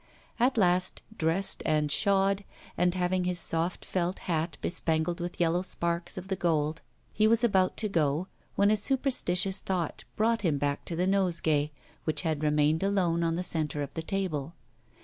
At last, dressed and shod, and having his soft felt hat bespangled with yellow sparks of the gold, he was about to go, when a superstitious thought brought him back to the nosegay, which had remained alone on the centre of the table.